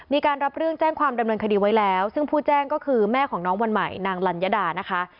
มีการรับเรื่องแจ้งความดำเนินคดีไว้แล้วซึ่งผู้แจ้งก็คือแม่ของน้องวันใหม่นางลัญญดานะคะ